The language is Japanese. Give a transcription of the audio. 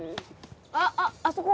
あっあっあそこ！